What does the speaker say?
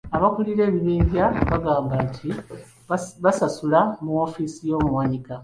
Abakulira ebibiinja bagamba nti baasasula mu woofiisi y'omuwanika.